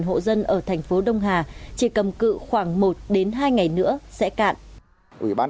hai hộ dân ở thành phố đông hà chỉ cầm cự khoảng một đến hai ngày nữa sẽ cạn